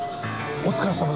お疲れさまです。